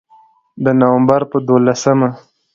د نومبر په دولسمه